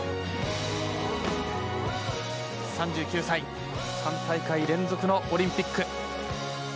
３９歳、３大会連続のオリンピック。